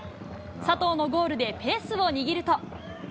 佐藤のゴールでペースを握ると。